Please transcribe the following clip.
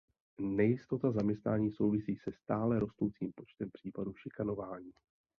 Nejistota zaměstnání souvisí se stále rostoucím počtem případů šikanování.